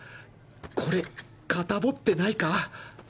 これカタボってないか？